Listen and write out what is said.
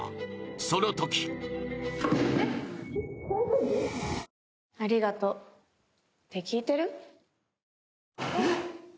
そのときありがとうって聞いてる？